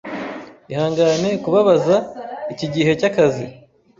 Ihangane kubabaza iki gihe cyakazi.